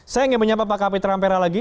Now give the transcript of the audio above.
saya ingin menyapa pak kapitra ampera lagi